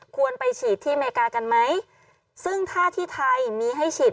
ควรไปฉีดที่อเมริกากันไหมซึ่งถ้าที่ไทยมีให้ฉีด